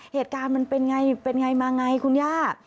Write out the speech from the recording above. เหตุการณ์มันเป็นไงเป็นไงมาไงคุณย่า